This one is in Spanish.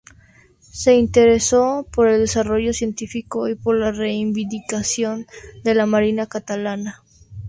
Se interesó por el desarrollo científico y por la reivindicación de la marina catalana.